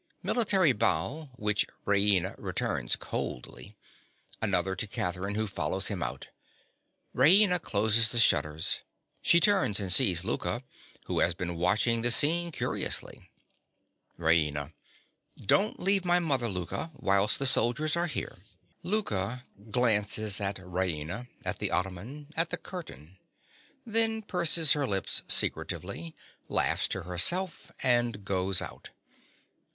(_Military bow, which Raina returns coldly. Another to Catherine, who follows him out. Raina closes the shutters. She turns and sees Louka, who has been watching the scene curiously._) RAINA. Don't leave my mother, Louka, whilst the soldiers are here. (_Louka glances at Raina, at the ottoman, at the curtain; then purses her lips secretively, laughs to herself, and goes out.